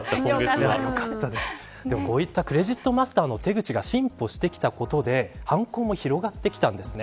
こういったクレジットマスターの手口が進歩してきたことで犯行も広がってきました。